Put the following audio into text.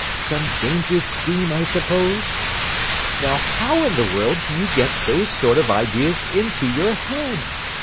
Some dangerous scheme, I suppose?" "Now, how in the world do you get those sort of ideas into your head?"